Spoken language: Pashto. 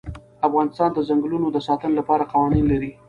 افغانستان د ځنګلونه د ساتنې لپاره قوانین لري.